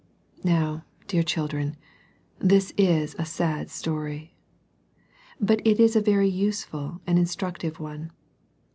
Now, dear children, this is a sad story. But it is a very useful and instructive one.